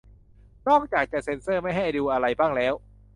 นอกจากจะเซ็นเซอร์ไม่ให้ดูอะไรบ้างแล้ว